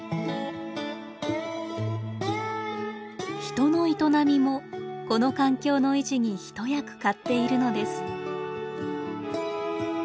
人の営みもこの環境の維持に一役買っているのです。